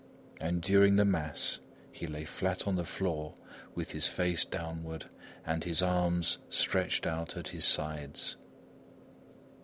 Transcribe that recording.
And during the mass, he lay flat on the floor with his face downward and his arms stretched out at his sides.